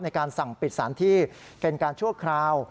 ในการสั่งปิดสถานที่เป็นการชั่วคราว